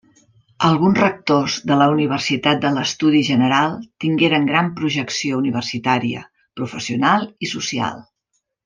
Alguns rectors de la Universitat de l'Estudi General tingueren gran projecció universitària, professional i social.